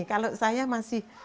kalau saya saya lebih berani